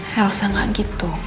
rielsa enggak gitu